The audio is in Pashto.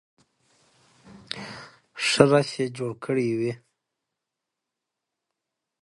ښه رش یې جوړ کړی وي.